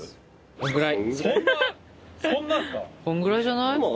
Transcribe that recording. こんぐらいじゃない？